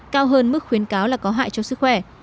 cao hơn mức khuyến cáo là có hại cho sức khỏe